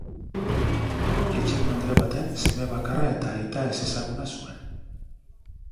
Etxeko andre baten seme bakarra eta aita ezezaguna zuen.